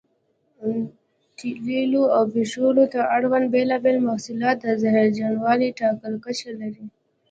تېلو او پټرولیم ته اړوند بېلابېل محصولات د زهرجنوالي ټاکلې کچه لري.